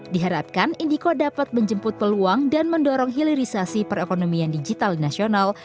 diharapkan indico dapat menjemput peluang dan mendorong hilirisasi perekonomian digital nasional